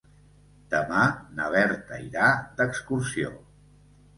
Demà na Berta irà d'excursió.